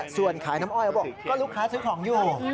ส่วนขายน้ำอ้อยเขาบอกก็ลูกค้าซื้อของอยู่